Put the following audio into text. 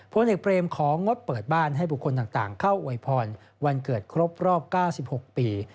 พลเอกเบรมของงดเปิดบ้านให้บุคคลต่างเข้าอวยพรวันเกิดครบรอบ๙๖ปี